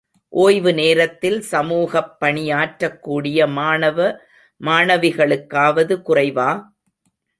ஒய்வு நேரத்தில் சமூகப் பணியாற்றக்கூடிய மாணவ மாணவிகளுக்காவது குறைவா?